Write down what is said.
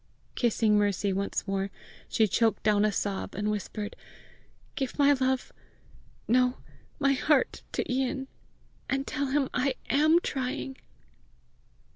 Kissing Mercy once more, she choked down a sob, and whispered, "Give my love no, my heart, to Ian, and tell him I AM trying."